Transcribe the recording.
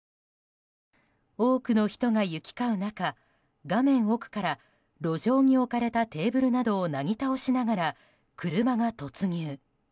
多くの人が行き交う中画面奥から路上に置かれたテーブルなどをなぎ倒しながら車が突入。